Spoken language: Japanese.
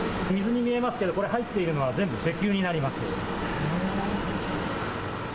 水に見えますがこれ入っているのは全部、石油になります。